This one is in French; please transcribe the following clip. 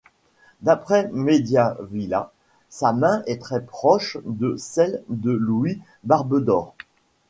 D'après Mediavilla, sa main est très proche de celle de Louis Barbedor.